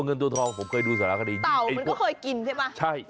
เงินตัวทองผมเคยดูเสร็จแล้วเตาก็เคยกินใช่ไหม